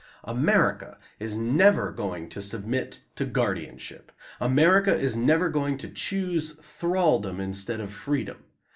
America is never going to submit to guardianship. America is never going to choose thralldom instead of freedom.